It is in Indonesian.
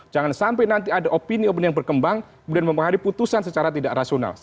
jangan sampai nanti ada opini opini yang berkembang kemudian mempengaruhi putusan secara tidak rasional